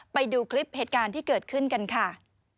ไปดูคลิปเหตุการณ์ที่เกิดขึ้นกันค่ะ